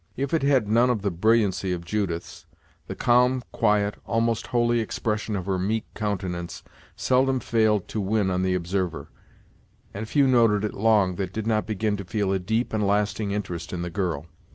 If it had none of the brilliancy of Judith's, the calm, quiet, almost holy expression of her meek countenance seldom failed to win on the observer, and few noted it long that did not begin to feel a deep and lasting interest in the girl.